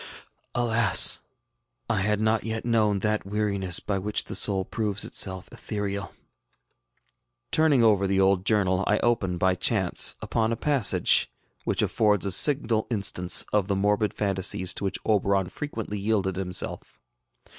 Alas! I had not wet known that weariness by which the soul proves itself ethereal. ŌĆØ Turning over the old journal, I open, by chance, upon a passage which affords a signal instance of the morbid fancies to which Oberon frequently yielded himself.